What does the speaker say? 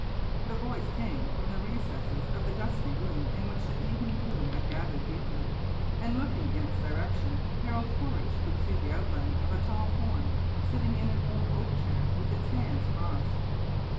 The voice came from the recesses of the dusky room in which the evening gloom had gathered deeply, and looking in its direction, Harold Quaritch could see the outline of a tall form sitting in an old oak chair with its hands crossed.